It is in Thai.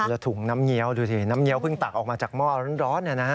แล้วถุงน้ำเงี้ยวดูสิน้ำเงี้ยเพิ่งตักออกมาจากหม้อร้อน